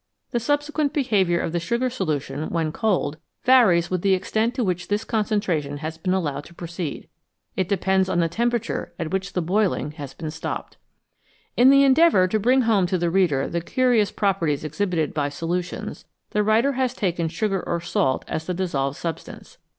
The subsequent behaviour of the sugar solution when cold varies with the extent to which this concentration has been allowed to proceed ; it depends on the temperature at which the boiling has been stopped. In the endeavour to bring home to the reader the curious properties exhibited by solutions, the writer has taken sugar or salt as the dissolved substance.